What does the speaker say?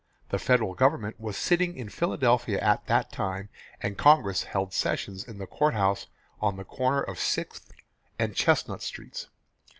The Federal Government was sitting in Philadelphia at that time and Congress held sessions in the courthouse on the corner of Sixth and Chestnut Streets.